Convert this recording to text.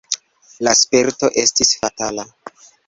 La sperto estis fatala.